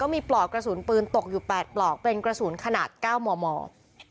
ก็มีปลอกกระสุนปืนตกอยู่แปดปลอกเป็นกระสุนขนาดเก้ามอมอม